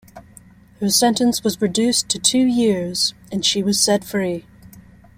Her sentence was reduced to two years and she was set free.